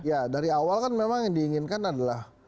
ya dari awal kan memang yang diinginkan adalah